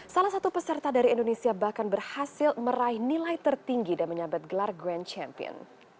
salah satu peserta dari indonesia bahkan berhasil meraih nilai tertinggi dan menyabet gelar grand champion